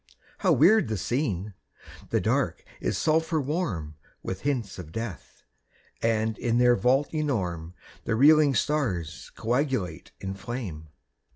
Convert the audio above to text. How weird the scene! The Dark is sulphur warm With hints of death; and in their vault enorme The reeling stars coagulate in flame.